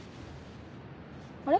あれ？